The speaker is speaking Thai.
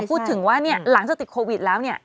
คุณผู้ชมขายังจริงท่านออกมาบอกว่า